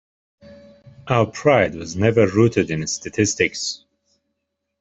Our pride was never rooted in statistics.